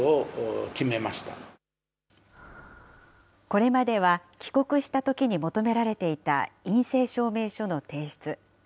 これまでは、帰国したときに求められていた陰性証明書の提出。